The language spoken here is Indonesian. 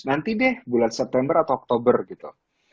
nanti deh bulan september atau oktober gitu